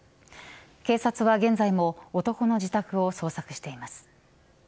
警察は現在も男の自宅を捜索しています。